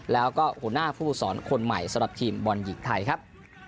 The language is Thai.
แล้วก็หัวหน้าผู้ฝึกสอนคนใหม่สำหรับทีมบอลหญิงไทยครับ